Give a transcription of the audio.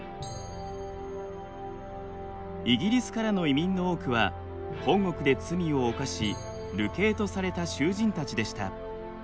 イギリスからの移民の多くは本国で罪を犯し流刑とされた囚人たちでした。